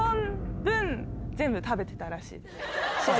全部食べてたらしい。